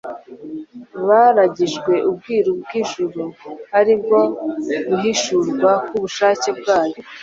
Baragijwe ubwiru bw’ijuru ari bwo guhishurwa k’ubushake bwayo.